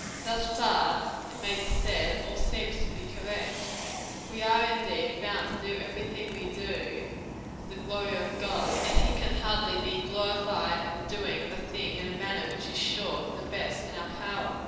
Thus far, it may be said, all seems to be correct. We are, indeed, bound to do every thing we do, to the glory of God; and he can hardly be glorified in the doing of a thing in a manner which is short of the best in our power.